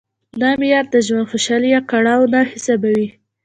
دا معیار د ژوند خوشالي یا کړاو نه حسابوي.